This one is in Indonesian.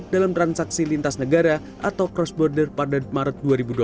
dalam transaksi lintas negara atau cross border pada maret dua ribu dua puluh